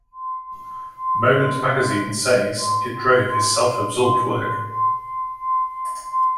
"Moment Magazine" says, "It drove his self-absorbed work.